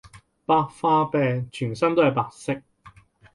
白化病全身都係白色